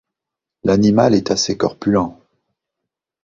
L'animal est assez corpulent.